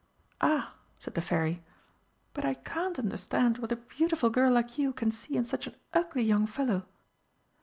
"Ah," said the Fairy, "but I can't understand what a beautiful girl like you can see in such an ugly young fellow!"